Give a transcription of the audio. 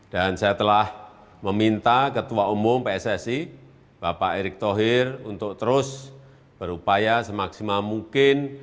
dan saya telah meminta ketua umum pssi bapak erick thohir untuk terus berupaya semaksimal mungkin